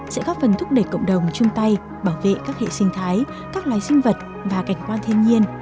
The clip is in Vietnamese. sẽ góp phần thúc đẩy cộng đồng chung tay bảo vệ các hệ sinh thái các loài sinh vật và cảnh quan thiên nhiên